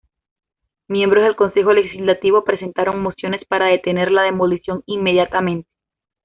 Miembros del Consejo Legislativo presentaron mociones para detener la demolición inmediatamente.